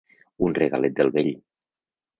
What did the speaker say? Un regalet del vell.